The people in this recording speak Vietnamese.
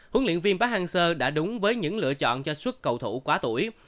huấn luyện viên park hang seo đã đúng với những lựa chọn cho xuất cầu thủ quá tuổi